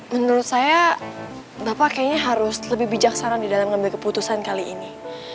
menurut saya bapak kayaknya harus lebih bijaksana di dalam mengambil keputusan kali ini